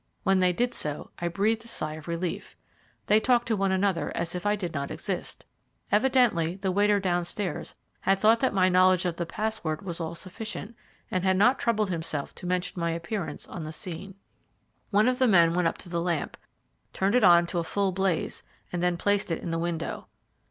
When they did so, I breathed a sigh of relief. They talked to one another as if I did not exist. Evidently the waiter downstairs had thought that my knowledge of the password was all sufficient, and had not troubled himself to mention my appearance on the scene. One of the men went up to the lamp, turned it on to a full blaze, and then placed it in the window.